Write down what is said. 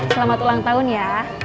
selamat ulang tahun ya